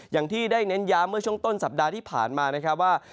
อย่างที่ได้เน้นย้ำเมื่อช่วงต้นสัปดาห์ที่ผ่านมานะครับว่า